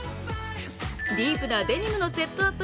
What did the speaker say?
ディープなデニムのセットアップ